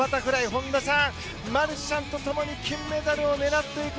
本多さん、マルシャンと共に金メダルを狙っていく。